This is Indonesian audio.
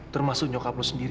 termasuk nyokap lu sendiri